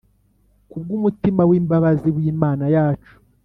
Ku bw’umutima w’imbabazi w’Imana yacu,